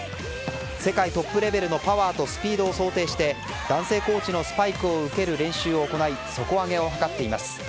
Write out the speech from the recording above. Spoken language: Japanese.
世界トップレベルのパワーとスピードを想定して男性コーチのスパイクを受ける練習を行い底上げを図っています。